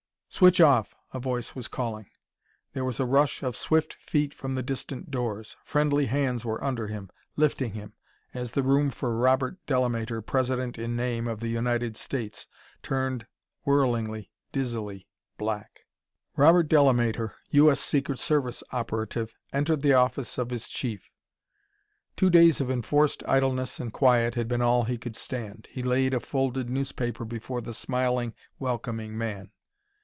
"Switch off!" a voice was calling. There was a rush of swift feet from the distant doors; friendly hands were under him lifting him as the room, for Robert Delamater, President in name of the United States, turned whirlingly, dizzily black.... Robert Delamater, U. S. Secret Service operative, entered the office of his Chief. Two days of enforced idleness and quiet had been all he could stand. He laid a folded newspaper before the smiling, welcoming man.